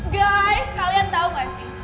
guys kalian tau gak sih